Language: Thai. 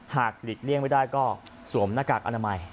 หลีกเลี่ยงไม่ได้ก็สวมหน้ากากอนามัย